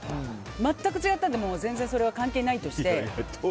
全く違ったのでそれは関係ないとして。